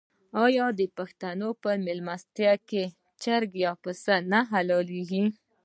آیا د پښتنو په میلمستیا کې چرګ یا پسه نه حلاليږي؟